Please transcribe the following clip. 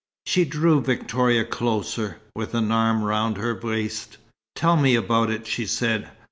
She drew Victoria closer, with an arm round her waist. "Tell me about it," she said.